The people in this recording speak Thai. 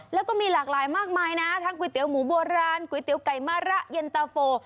แล้วก็มีหลากหลายมากมายนะทั้งก๋วยเตี๋ยหมูโบราณก๋วยเตี๋ยวไก่มะระเย็นตาโฟ